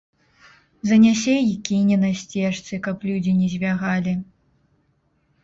Занясе й кіне на сцежцы, каб людзі не звягалі.